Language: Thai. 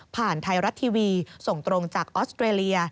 ไทยรัฐทีวีส่งตรงจากออสเตรเลีย